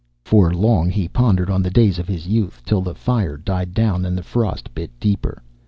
For long he pondered on the days of his youth, till the fire died down and the frost bit deeper.